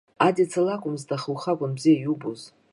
Адица лакәмызт, аха ухакәын бзиа иубоз!